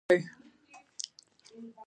د شک د مینځلو لپاره د یقین او اوبو ګډول وکاروئ